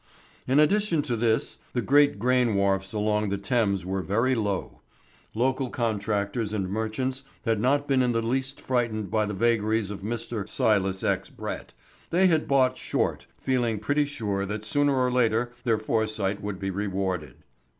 In addition to this, the great grain wharfs along the Thames were very low. Local contractors and merchants had not been in the least frightened by the vagaries of Mr. Silas X. Brett; they had bought "short," feeling pretty sure that sooner or later their foresight would be rewarded.